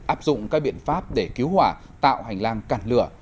áp dụng các biện pháp để cứu hỏa tạo hành lang cạn lửa